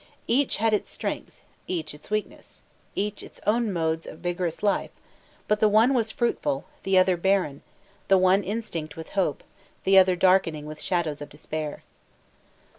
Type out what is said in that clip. Each had its strength, each its weakness, each its own modes of vigorous life: but the one was fruitful, the other barren; the one instinct with hope, the other darkening with shadows of despair.